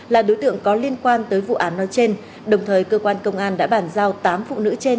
là đối tượng có liên quan tới vụ án nói trên đồng thời cơ quan công an đã bản giao tám phụ nữ trên